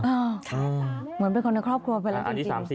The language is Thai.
ค่ะเหมือนเป็นคนครอบครัวไปแล้วจริง